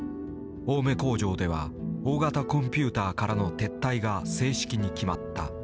青梅工場では大型コンピューターからの撤退が正式に決まった。